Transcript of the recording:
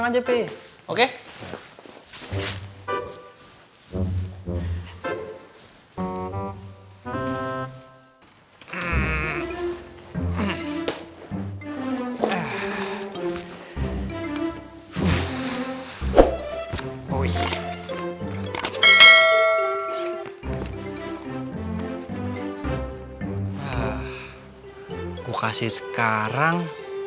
gue kasih sekarang